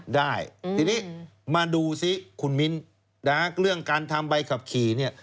ได้ทีนี้มาดูซิคุณมิ้นเรื่องการทำใบขับขี่เนี่ย